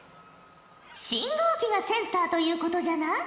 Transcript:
信号機がセンサーということじゃな？